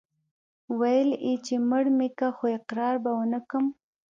ويل يې چې مړ مې که خو اقرار به ونه کم.